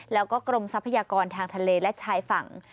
แล้วก็กรมทรัพยากรทางทะเลและชายฝั่ง